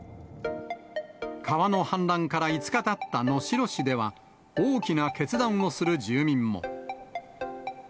川の氾濫から５日たった能代市では、大きな決断をする住民も。